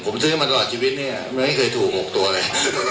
ผมซื้อมาตลอดชีวิตเนี่ยไม่เคยถูก๖ตัวเลย